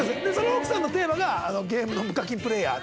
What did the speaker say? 奥さんのテーマが「ゲームの無課金プレイヤー」。